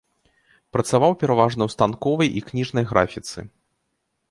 Працаваў пераважна ў станковай і кніжнай графіцы.